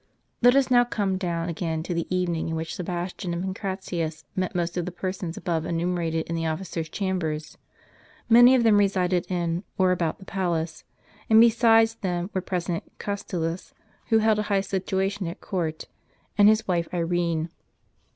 Let us now come down again to the evening in which Sebastian and Pancratius met most of the persons above enu merated in the officer's chamber. Many of them resided in, or about, the palace ; and besides them were present Castulus, who held a high situation at court,* and his wife Irene.